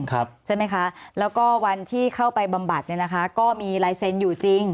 ใช่ไหมคะแล้วก็วันที่เข้าไปบำบัดเนี่ยนะคะก็มีลายเซ็นต์อยู่จริง